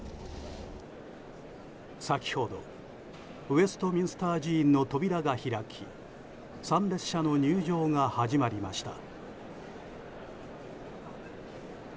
先ほどウェストミンスター寺院の扉が開き参列者の入場が始まりました。